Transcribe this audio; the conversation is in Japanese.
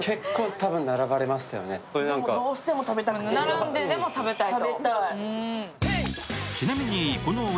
並んででも食べたいと。